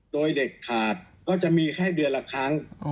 โดยเด็ดขาดก็จะมีแค่เดือนละครั้ง